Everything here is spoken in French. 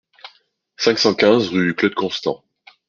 cinq cent quinze rue Claude Constant